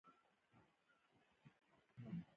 بینالذهني شی د خلکو په ګډ باور ولاړ وي.